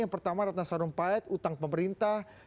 yang pertama ratna sarumpait utang pemerintah